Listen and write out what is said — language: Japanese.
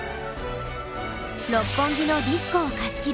六本木のディスコを貸し切り